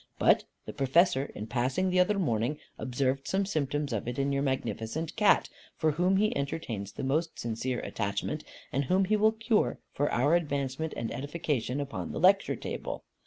But the Professor, in passing the other morning, observed some symptoms of it in your magnificent cat, for whom he entertains the most sincere attachment, and whom he will cure for our advancement and edification upon the lecture table.